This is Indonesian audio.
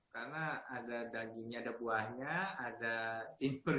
karena ada dagingnya ada buahnya ada timurnya sapi itu